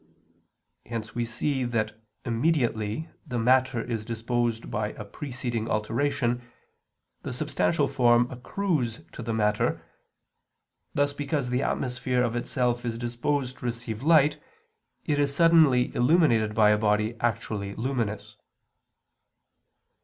Hence we see that immediately the matter is disposed by a preceding alteration, the substantial form accrues to the matter; thus because the atmosphere of itself is disposed to receive light, it is suddenly illuminated by a body actually luminous.